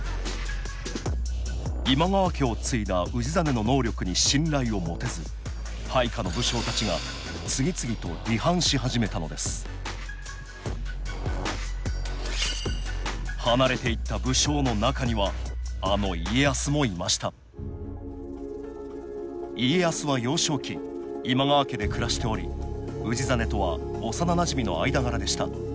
今川家を継いだ氏真の能力に信頼を持てず配下の武将たちが次々と離反し始めたのです離れていった武将の中にはあの家康もいました家康は幼少期今川家で暮らしており氏真とは幼なじみの間柄でした。